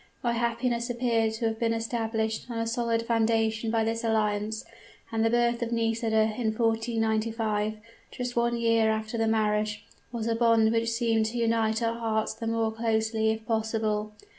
My happiness appeared to have been established on a solid foundation by this alliance; and the birth of Nisida in 1495 just one year after the marriage was a bond which seemed to unite our hearts the more closely if possible.